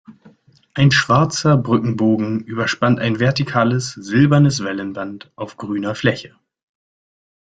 Ein schwarzer Brückenbogen überspannt ein vertikales silbernes Wellenband auf grüner Fläche.